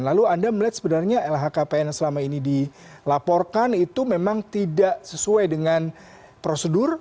lalu anda melihat sebenarnya lhkpn yang selama ini dilaporkan itu memang tidak sesuai dengan prosedur